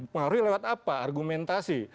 pengaruhi lewat apa argumentasi